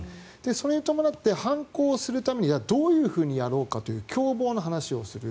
それに伴って、犯行をするためにどういうふうにやろうかという共謀の話をする。